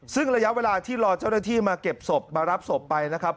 ซึ่งระยะเวลาที่รอเจ้าหน้าที่มาเก็บศพมารับศพไปนะครับ